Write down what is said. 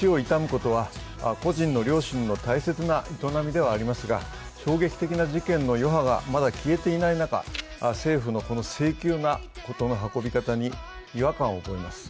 ことは個人の良心の大切な営みではありますが、衝撃的な事件の余波がまだ消えていない中、政府のこの性急な事の運び方に違和感を覚えます。